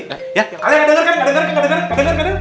kalian gak denger kan gak denger gak denger